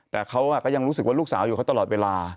แต่เขาก็ยังรู้สึกว่าลูกสาวอยู่เขาตลอดเวลา